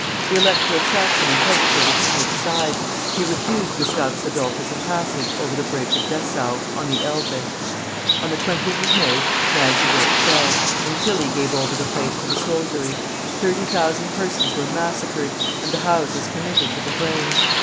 The Elector of Saxony hesitated to take sides; he refused Gustavus Adolphus a passage over the bridge of Dessau, on the Elbe. On the 20th of May Magdeburg fell, and Tilly gave over the place to the soldiery; thirty thousand persons were massacred, and the houses committed to the flames.